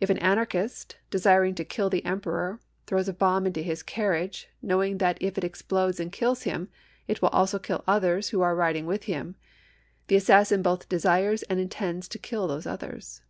If an anarchist, desiring to kill the emperor, throws a bomb into his carriage, knowing that if it ex])lodes and kills him it will also kill others who are riding with him, the assassin both desires and intends to kill those others.